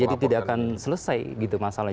jadi tidak akan selesai masalah